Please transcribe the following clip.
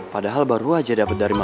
padahal baru aja dapet dari mama